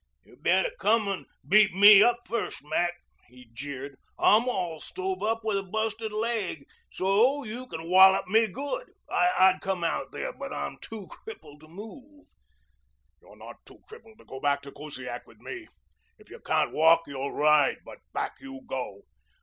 "You better come and beat me up first, Mac," he jeered. "I'm all stove up with a busted laig, so you can wollop me good. I'd come out there, but I'm too crippled to move." "You're not too crippled to go back to Kusiak with me. If you can't walk, you'll ride. But back you go."